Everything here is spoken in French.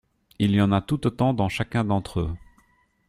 Il y en a tout autant dans chacun d’entre eux.